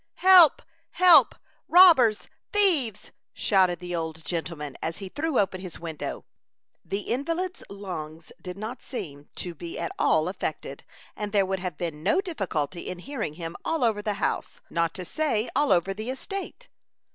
"Help! Help! Robbers! Thieves!" shouted the old gentleman, as he threw open his window. The invalid's lungs did not seem to be at all affected, and there would have been no difficulty in hearing him all over the house, not to say all over the estate.